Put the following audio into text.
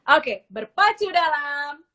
oke berpacu dalam